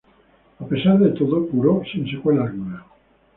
A pesar de todo, curó sin secuela alguna.